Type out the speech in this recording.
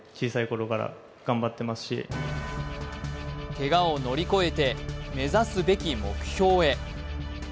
けがを乗り越えて目指すべき目標へ。